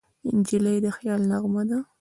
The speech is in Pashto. نجلۍ د خیال نغمه ده.